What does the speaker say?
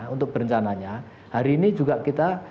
untuk berencananya hari ini juga kita